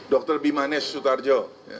dokter bimanesh sutarjo